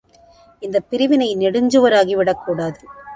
இந்தப் பிரிவினை நெடுஞ்சுவராகி விடக்கூடாது.